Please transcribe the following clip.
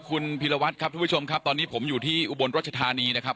คุณพิรวัตรครับทุกผู้ชมครับตอนนี้ผมอยู่ที่อุบลรัชธานีนะครับ